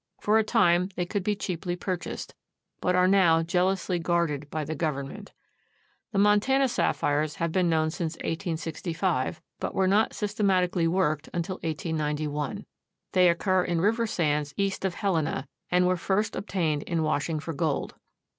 For a time they could be cheaply purchased, but are now jealously guarded by the government. The Montana sapphires have been known since 1865, but were not systematically worked until 1891. They occur in river sands east of Helena, and were first obtained in washing for gold.